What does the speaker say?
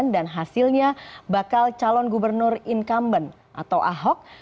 dan hasilnya bakal calon gubernur incumbent atau ahok